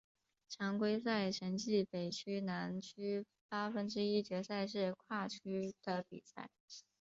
常规赛成绩北区南区八分之一决赛是跨区的比赛。